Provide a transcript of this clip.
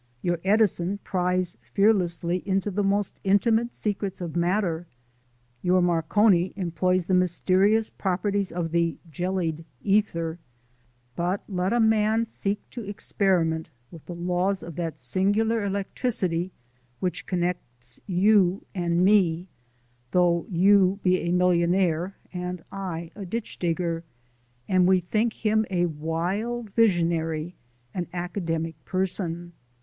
Your Edison pries fearlessly into the intimate secrets of matter; your Marconi employs the mysterious properties of the "jellied ether," but let a man seek to experiment with the laws of that singular electricity which connects you and me (though you be a millionaire and I a ditch digger), and we think him a wild visionary, an academic person.